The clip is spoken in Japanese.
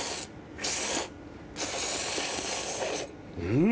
うん！